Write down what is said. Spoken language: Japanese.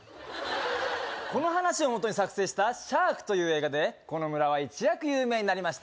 この話をもとに作成した「シャーク」という映画でこの村は一躍有名になりました